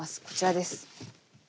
こちらです。